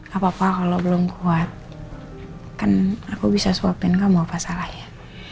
gapapa kalau belum kuat kan aku bisa suapin kamu apa salahnya